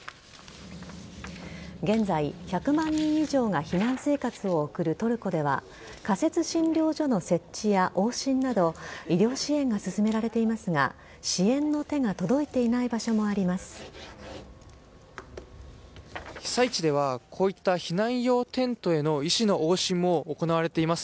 現在、１００万人以上が避難生活を送るトルコでは仮設診療所の設置や往診など医療支援が進められていますが支援の手が届いていない場所もあります。